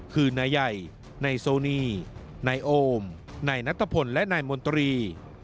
คือนายใหญ่นายโซนีนายโอมนายนัทพลและนายมนตรี